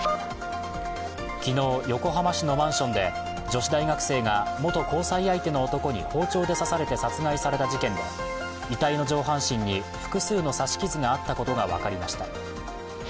昨日、横浜市のマンションで女子大学生が元交際相手の男に包丁で刺されて殺害された事件で遺体の上半身に、複数の刺し傷があったことが分かりました。